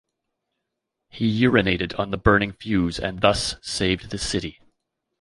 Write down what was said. He urinated on the burning fuse and thus saved the city.